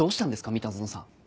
三田園さん。